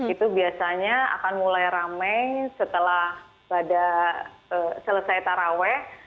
itu biasanya akan mulai ramai setelah pada selesai taraweh